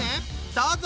どうぞ！